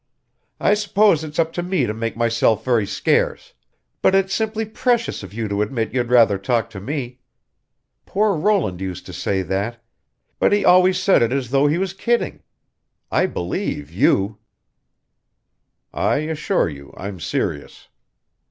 "I suppose it's up to me to make myself very scarce. But it is simply precious of you to admit you'd rather talk to me. Poor Roland used to say that but he always said it as though he was kidding. I believe you!" "I assure you I'm serious."